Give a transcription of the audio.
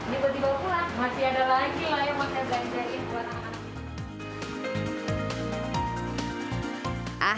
jika dibawa pulang masih ada lagi yang mau saya gajahin buat anak anak